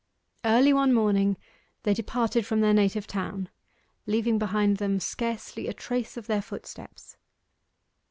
Early one morning they departed from their native town, leaving behind them scarcely a trace of their footsteps.